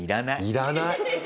要らない。